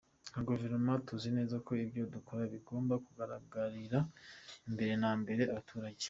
Nka guverinoma tuzi neza ko ibyo dukora bigomba kugaragarira mbere na mbere abaturage.